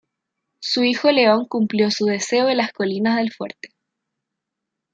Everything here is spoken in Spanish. Su hijo León cumplió su deseo en las colinas del Fuerte.